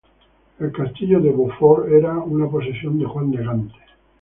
El Castillo de Beaufort era una posesión de Juan de Gante.